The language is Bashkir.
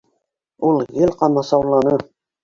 Ул гел ҡамасауланы!